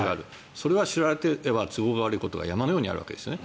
それは知られては都合の悪いことが山のようにあるわけですね。